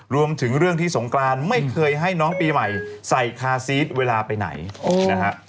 รวมถึงเรื่องที่สงกรานไม่เคยให้น้องปีใหม่ใส่คาซีสเวลาไปไหนนะฮะ